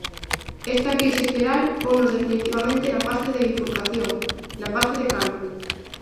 Esta crise xeral ponnos definitivamente na fase da bifurcación, na fase de cambio.